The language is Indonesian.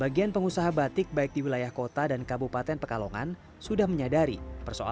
bagian pengusaha batik bahkan di wilayah kota dan kabupaten kekalongan sudah menyadari persoalan tersebut